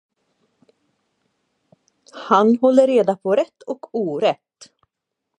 Han håller reda på rätt och orätt.